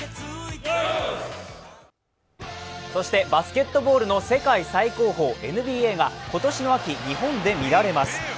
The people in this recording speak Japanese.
そしてバスケットボールの世界最高峰、ＮＢＡが今年の秋、日本で見られます。